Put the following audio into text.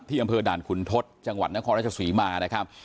อำเภอด่านขุนทศจังหวัดนครราชศรีมานะครับ